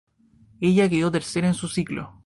Ella quedó tercera en su ciclo.